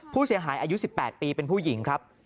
ผู้เสียหายอายุ๑๘ปีเป็นผู้หญิงครับ